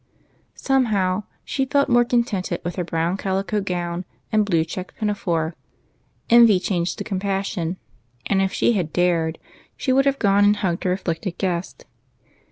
Somehow, she felt more contented with her brown calico gown and blue checked pinafore ; envy changed to compassion ; and if she had dared she would have gone and hugged her afflicted guest.